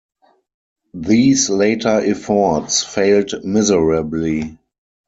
These later efforts failed miserably.